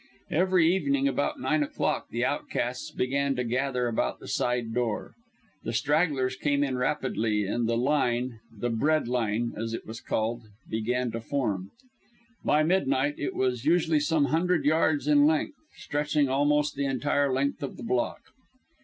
Every evening about nine o'clock the outcasts began to gather about the side door. The stragglers came in rapidly, and the line the "bread line," as it was called began to form. By midnight it was usually some hundred yards in length, stretching almost the entire length of the block.